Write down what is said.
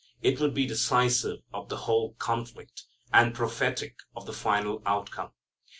It would be decisive of the whole conflict, and prophetic of the final outcome.